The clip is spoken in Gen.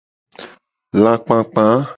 Lakpakpa.